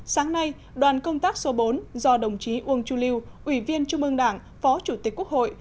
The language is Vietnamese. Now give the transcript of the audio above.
sáng nay đoàn công tác số bốn do đồng chí uông chu lưu ủy viên trung ương đảng phó chủ tịch quốc hội